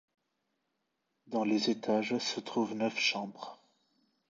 Dans les étages, se trouvent neuf chambres.